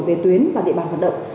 về tuyến và địa bàn hoạt động